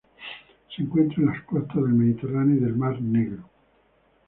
Se encuentra en las costas del Mediterráneo y del Mar Negro.